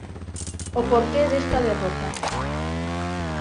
O porqué desta derrota.